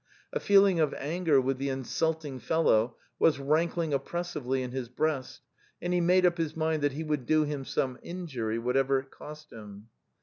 A feeling of anger with the insulting fellow was rankling oppressively in his breast, and he made up his mind that he would do him some injury, what ever it cost him.